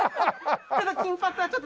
金髪はちょっと。